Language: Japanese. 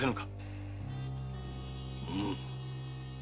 うむ。